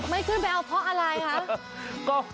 ไม่ขึ้นไปเอาเพราะอะไรคะ